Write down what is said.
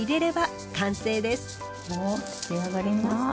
お出来上がりました。